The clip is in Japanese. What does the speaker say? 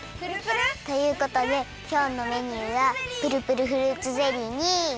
ということできょうのメニューはプルプルフルーツゼリーに。